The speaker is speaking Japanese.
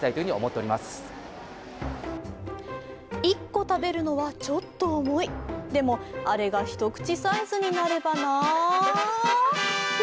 １個食べるのはちょっと重いでも、あれがひとくちサイズになればなあ